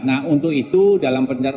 nah untuk itu dalam pencarian